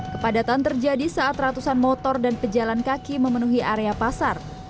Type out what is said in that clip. kepadatan terjadi saat ratusan motor dan pejalan kaki memenuhi area pasar